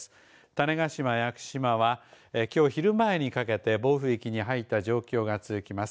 種子島・屋久島はきょう昼前にかけて暴風域に入った状況が続きます。